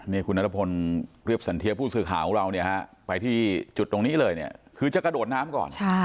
นี่คุณนัทพลเรียบสันเทียผู้สื่อข่าวของเราเนี่ยฮะไปที่จุดตรงนี้เลยเนี่ยคือจะกระโดดน้ำก่อน